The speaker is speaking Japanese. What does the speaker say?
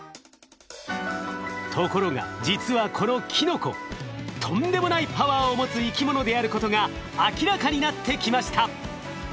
ところが実はこのキノコとんでもないパワーを持つ生き物であることが明らかになってきました。